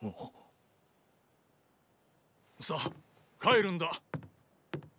さあ帰るんだ。